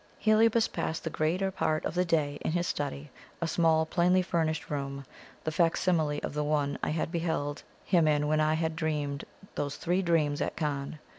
Heliobas passed the greater part of the day in his study a small, plainly furnished room, the facsimile of the one I had beheld him in when I had dreamed those three dreams at Cannes.